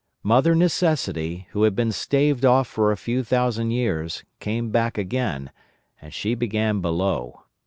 Mother Necessity, who had been staved off for a few thousand years, came back again, and she began below.